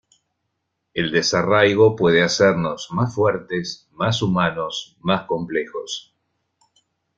El desarraigo puede hacernos más fuertes, más humanos, más complejos.